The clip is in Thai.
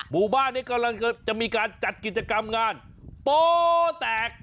หมู่บ้านนี้กำลังจะมีการจัดกิจกรรมงานโป๊แตก